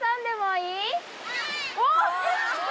おっ！